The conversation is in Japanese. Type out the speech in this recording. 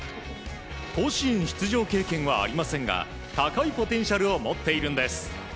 甲子園出場経験はありませんが高いポテンシャルを持っているんです。